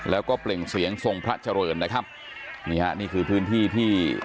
แล้วก็เปล่งเสียงทรงพระเจริญนะครับนี่ฮะนี่คือพื้นที่ที่